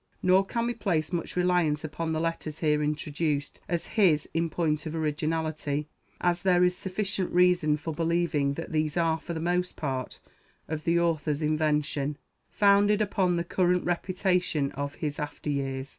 Nor can we place much reliance upon the letters here introduced as his in point of originality, as there is sufficient reason for believing that these are, for the most part, of the author's invention, founded upon the current reputation of his after years.